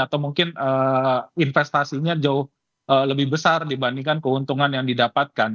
atau mungkin investasinya jauh lebih besar dibandingkan keuntungan yang didapatkan